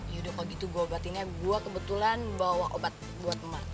yaudah kalau gitu gue obatinnya gue kebetulan bawa obat buat emak